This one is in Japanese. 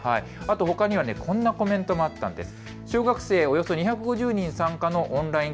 ほかにはこんなコメントもあったんです。